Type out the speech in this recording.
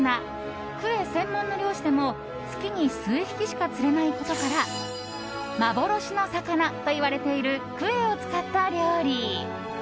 クエ専門の漁師でも月に数匹しか釣れないことから幻の魚といわれているクエを使った料理。